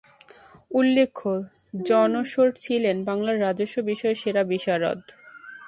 উল্লেখ্য, John Shore ছিলেন বাংলার রাজস্ব বিষয়ে সেরা বিশারদ।